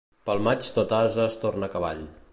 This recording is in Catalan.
Pel maig tot ase es torna cavall.